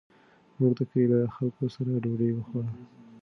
موږ د کلي له خلکو سره ډوډۍ وخوړه.